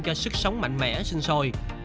cho sức sống mạnh mẽ sinh sôi